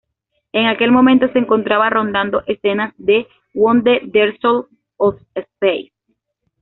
En aquel momento se encontraba rodando escenas de "On the Threshold of Space".